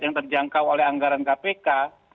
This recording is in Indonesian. yang terjangkau oleh anggaran kpk